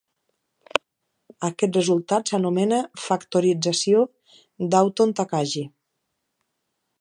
Aquest resultat s'anomena factorització d'Autonne-Takagi.